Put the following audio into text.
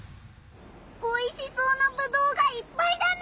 おいしそうなぶどうがいっぱいだな。